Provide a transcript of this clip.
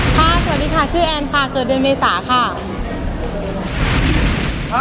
สวัสดีค่ะชื่อแอนค่ะเกิดเดือนเมษาค่ะ